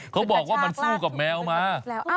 เขาบอกว่ามันสู้กับแมวมา